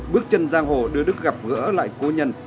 bước chân giang hồ đưa đức gặp gỡ lại cố nhân